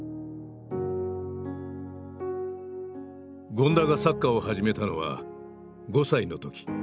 権田がサッカーを始めたのは５歳の時。